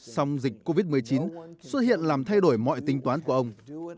song dịch covid một mươi chín xuất hiện làm thay đổi mọi tính toán của ông